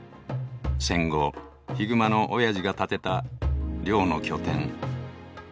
戦後ヒグマのおやじが建てた漁の拠点「番屋」だ。